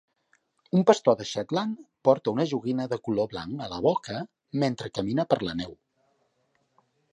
Un Pastor de Shetland porta una joguina de color blanc a la boca mentre camina per la neu.